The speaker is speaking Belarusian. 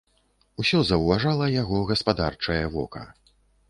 Усё заўважала яго гаспадарчае вока.